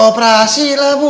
ya dioperasi lah bu